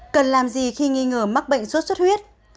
cần làm gì khi nghi ngờ mắc bệnh suốt huyết